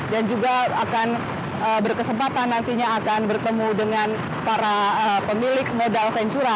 dan juga akan berkesempatan nantinya akan bertemu dengan para pemilik modal venture